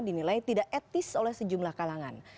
dinilai tidak etis oleh sejumlah kalangan